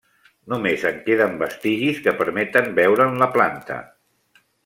Només en queden vestigis que permeten veure'n la planta.